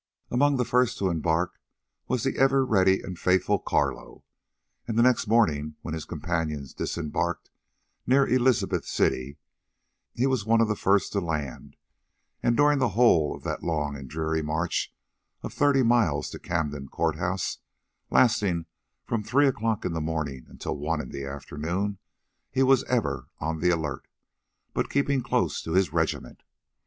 Among the first to embark was the ever ready and faithful Carlo, and the next morning, when his companions disembarked near Elizabeth City, he was one of the first to land, and, during the whole of the long and dreary march of thirty miles to Camden Court House, lasting from three o'clock in the morning until one in the afternoon, he was ever on the alert, but keeping close to his regiment.